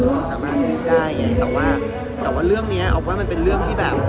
เราสามารถพูดได้ไงแต่ว่าแต่ว่าเรื่องเนี้ยเอาว่ามันเป็นเรื่องที่แบบ